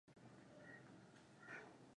Wasiojua maumivu yangu